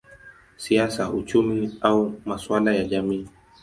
siasa, uchumi au masuala ya jamii.